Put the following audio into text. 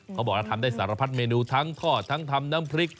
เขาบอกเราทำได้สารพัดเมนูทั้งทอดทั้งทำน้ำพริก